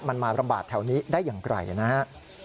มันมาระบาดแถวนี้ได้อย่างไกลนะครับ